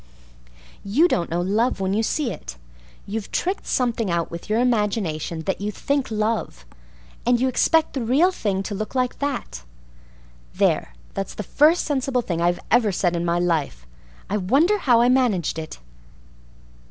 "You don't know love when you see it. You've tricked something out with your imagination that you think love, and you expect the real thing to look like that. There, that's the first sensible thing I've ever said in my life. I wonder how I managed it?"